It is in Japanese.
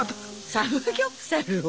サムギョプサルを。